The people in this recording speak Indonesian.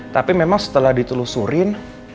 tapi memang setelah ditelusurin